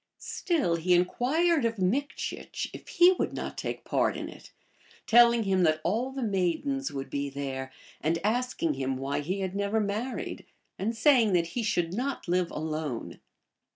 Still he inquired of Mikchieh if he would not take part in it, telling him that all the maidens would be there, and asking him why he had never married, anc saying that he should not live alone.